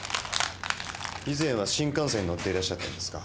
以前は新幹線に乗っていらっしゃったんですか？